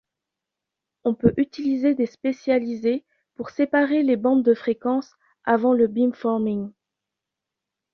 On peut utiliser des spécialisés pour séparer les bandes de fréquence avant le beamforming.